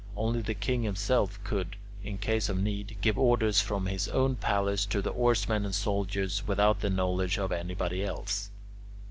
Only the king himself could, in case of need, give orders from his own palace to the oarsmen and soldiers, without the knowledge of anybody else.